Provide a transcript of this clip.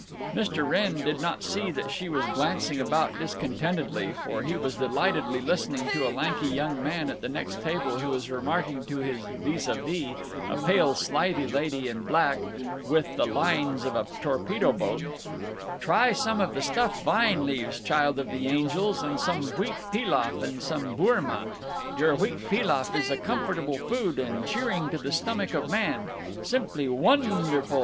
Mr. Wrenn did not see that she was glancing about discontentedly, for he was delightedly listening to a lanky young man at the next table who was remarking to his vis à vis, a pale slithey lady in black, with the lines of a torpedo boat: "Try some of the stuffed vine leaves, child of the angels, and some wheat pilaf and some bourma. Your wheat pilaf is a comfortable food and cheering to the stomach of man. Simply won derful.